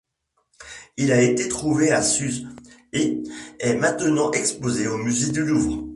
Il a été trouvé à Suse, et est maintenant exposé au musée du Louvre.